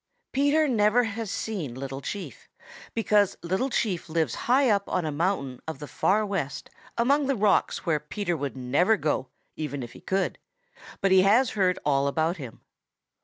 Peter never has seen Little Chief, because Little Chief lives high up on a mountain of the Far West among the rocks where Peter would never go, even if he could, but he has heard all about him.